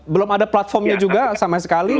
belum ada platformnya juga sama sekali